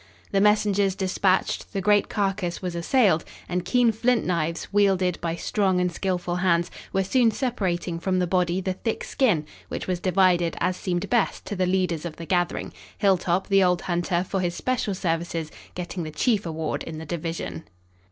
The messengers dispatched, the great carcass was assailed, and keen flint knives, wielded by strong and skillful hands, were soon separating from the body the thick skin, which was divided as seemed best to the leaders of the gathering, Hilltop, the old hunter, for his special services, getting the chief award in the division.